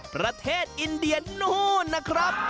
ประเทศอินเดียนู่นนะครับ